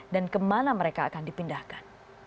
dan kemana mereka akan dipindahkan